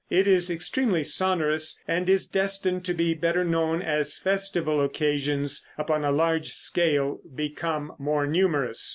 It is extremely sonorous, and is destined to be better known as festival occasions upon a larger scale become more numerous.